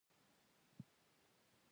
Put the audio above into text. ملک وارخطا شي، اوس دا ملک رانه خپه نه شي.